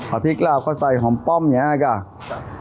เอาพริกลาบเขาใส่หอมป้อมอย่างนี้นะครับ